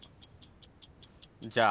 じゃあ。